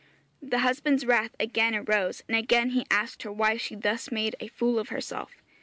The husband's wrath again arose, and again he asked her why she thus made a fool of herself.